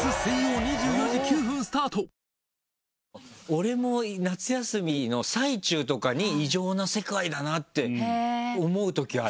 俺も夏休みの最中とかに異常な世界だなって思うときある。